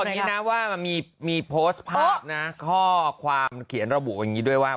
ตอนนี้นะว่ามันมีโพสต์ภาพนะข้อความเขียนระบุอย่างนี้ด้วยว่า